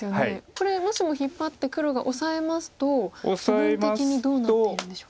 これもしも引っ張って黒がオサえますと部分的にどうなってるんでしょうか。